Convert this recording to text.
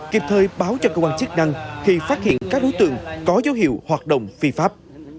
kịp thời báo cho cơ quan chức năng khi phát hiện các đối tượng có dấu hiệu hoạt động phi pháp